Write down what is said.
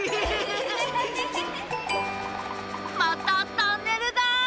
またトンネルだ。